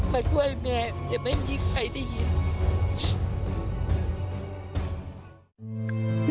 มาช่วยเมย์แต่ไม่มีใครได้ยิน